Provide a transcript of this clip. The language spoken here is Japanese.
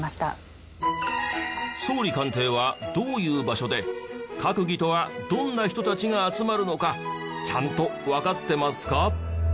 総理官邸はどういう場所で閣議とはどんな人たちが集まるのかちゃんとわかってますか？